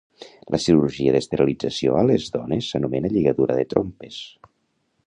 La cirurgia d'esterilització a les dones s'anomena lligadura de trompes